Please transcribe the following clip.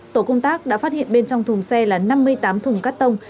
tổ công tác đã phát hiện bên trong thùng xe là năm mươi tám thùng cắt tông